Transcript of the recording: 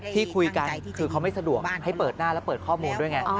ที่คุยกันคือเขาไม่สะดวกให้เปิดหน้าแล้วเปิดข้อมูลด้วยไง